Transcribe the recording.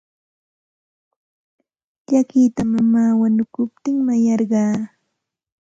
Llakita mamaa wanukuptin mayarqaa.